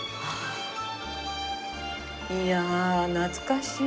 いやあ懐かしい。